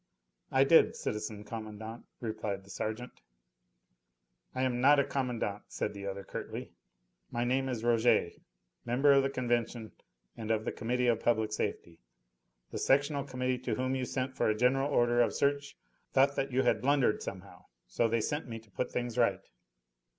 "I did, citizen commandant," replied the sergeant. "I am not a commandant," said the other curtly. "My name is Rouget, member of the Convention and of the Committee of Public Safety. The sectional Committee to whom you sent for a general order of search thought that you had blundered somehow, so they sent me to put things right."